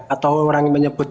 atau orang menyebut